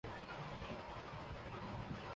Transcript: حقیقت میں نہیں